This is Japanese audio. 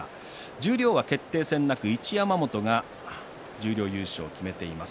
十両は決定戦なく一山本が十両優勝を決めています。